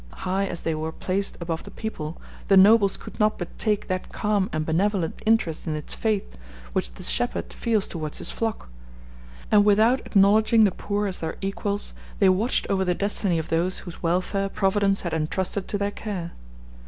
High as they were placed above the people, the nobles could not but take that calm and benevolent interest in its fate which the shepherd feels towards his flock; and without acknowledging the poor as their equals, they watched over the destiny of those whose welfare Providence had entrusted to their care.